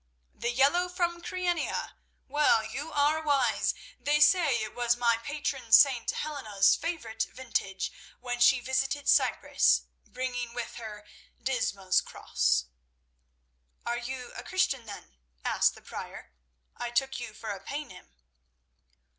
The yellow from Kyrenia? Well, you are wise. They say it was my patron St. Helena's favourite vintage when she visited Cyprus, bringing with her Disma's cross." "Are you a Christian then?" asked the Prior. "I took you for a Paynim."